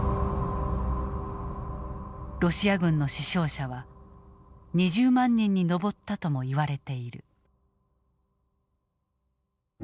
ロシア軍の死傷者は２０万人に上ったともいわれている。